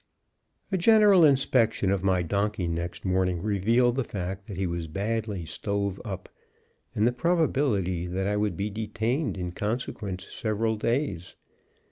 A general inspection of my donkey next morning revealed the fact that he was badly "stove up," and the probability that I would be detained in consequence several days.